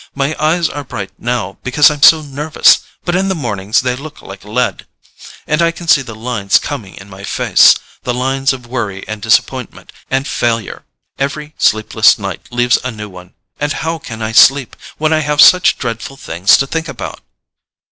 My eyes are bright now because I'm so nervous—but in the mornings they look like lead. And I can see the lines coming in my face—the lines of worry and disappointment and failure! Every sleepless night leaves a new one—and how can I sleep, when I have such dreadful things to think about?"